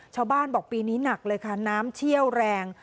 ชาวบ้านบอกปีนี้หนักเลยค่ะน้ำเชี่ยวแรง